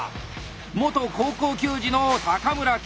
元高校球児の高村啓汰。